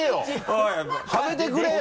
はめてくれよ！